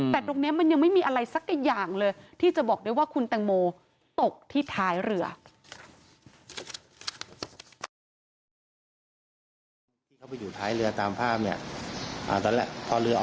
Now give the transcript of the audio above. แต่ตรงนี้มันยังไม่มีอะไรสักอย่างเลยที่จะบอกได้ว่าคุณแตงโมตกที่ท้ายเรือ